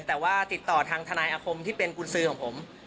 แต่ว่าติดต่อทางทนายอาคมที่เป็นกุญสือของผม